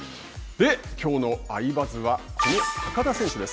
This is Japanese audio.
きょうの「アイバズ」はこの高田選手です。